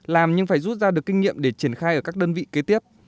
làm nhưng phải rút ra được kinh nghiệm để triển khai ở các đơn vị kế tiếp